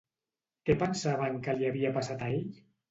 Què pensaven que li havia passat a ell?